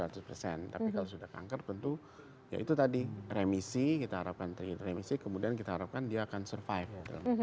tapi kalau sudah kanker tentu ya itu tadi remisi kita harapkan remisi kemudian kita harapkan dia akan survive